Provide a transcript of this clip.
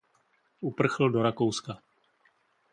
Uprchl do Rakouska.